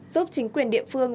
giúp chính quyền địa phương